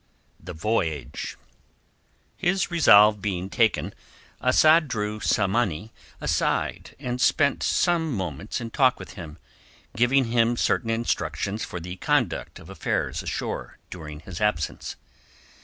THE VOYAGE His resolve being taken, Asad drew Tsamanni aside and spent some moments in talk with him, giving him certain instructions for the conduct of affairs ashore during his absence.